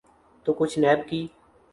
تو کچھ نیب کی۔